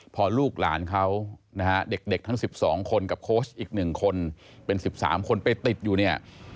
พอลูกหลานเขานะฮะเด็กทั้ง๑๒คนกับโค้ชอีก๑คนเป็น๑๓คนไปติดอยู่เนี่ย